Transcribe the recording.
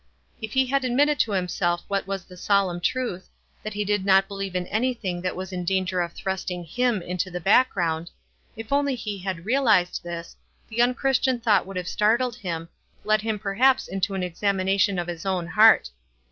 If hp had ad WISE AND OTHERWISE. 325 milled to himself what was the solemn truth, that he did not believe in anything that was in danger of thrusting him into the background ; if only he had realized this, the unchristian thought would have startled him, led him per haps into an examination of his own heart.